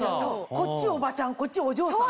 こっちおばちゃんこっちお嬢さん。